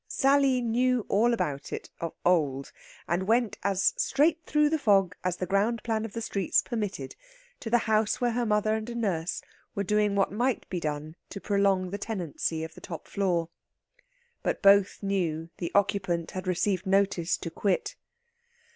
Sally knew all about it of old, and went as straight through the fog as the ground plan of the streets permitted to the house where her mother and a nurse were doing what might be done to prolong the tenancy of the top floor. But both knew the occupant had received notice to quit.